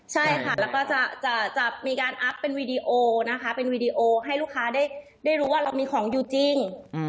ใช่ค่ะแล้วก็จะมีการอัพเป็นวีดีโอให้ลูกค้าได้รู้ว่าเรามีของอยู่จริง